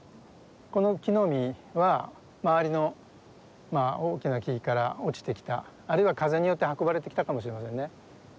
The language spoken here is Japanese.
この木の実は周りの大きな木から落ちてきたあるいは風によって運ばれてきたかもしれませんね。